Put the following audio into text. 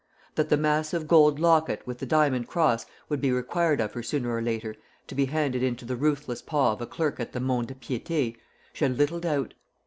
That the massive gold locket with the diamond cross would be required of her sooner or later, to be handed into the ruthless paw of a clerk at the mont de piété, she had little doubt.